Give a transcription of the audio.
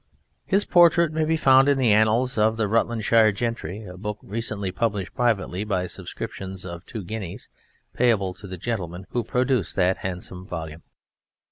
His portrait may be found in Annals of the Rutlandshire Gentry, a book recently published privately by subscriptions of two guineas, payable to the gentleman who produced that handsome volume.